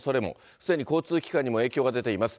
すでに交通機関にも影響が出ています。